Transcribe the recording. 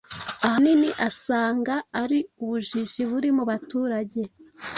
ahanini asanga ari ubujiji buri mu baturage